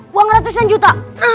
wang ratusan juta